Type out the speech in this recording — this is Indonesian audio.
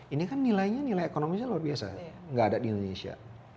ini kan nilainya nilai ekonomisnya luar biasa nggak ada di indonesia